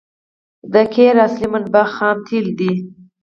د قیر اصلي منبع خام تیل دي